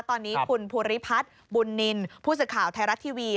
ตอนนี้คุณภูริพัฒน์บุญนินผู้สื่อข่าวไทยรัฐทีวี